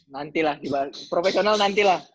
nanti lah profesional nanti lah